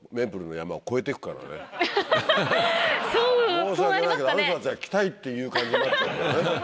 申し訳ないけどあの人たちが来たいっていう感じになっちゃうからね。